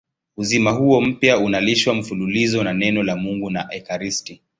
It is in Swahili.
Uzima huo mpya unalishwa mfululizo na Neno la Mungu na ekaristi.